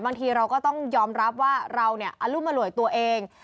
บางทีเราก็ต้องยอมรับว่าเราเนี่ยอรุมอร่วยตัวเอง